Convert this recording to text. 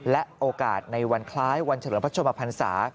และโอกาสในวันคล้ายวันเฉลิมพระชมพันศา